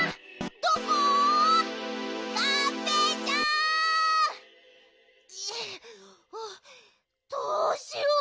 どうしよう。